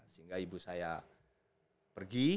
sehingga ibu saya pergi